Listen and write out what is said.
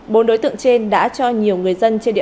bốn đối tượng trên đã cho nhiều người dân trên địa bàn